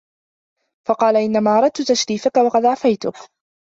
فَقَالَ إنَّمَا أَرَدْت تَشْرِيفَك وَقَدْ أَعْفَيْتُك